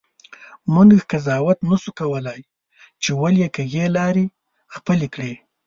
مونږ قضاوت نسو کولی چې ولي کږې لیارې خپلي کړي.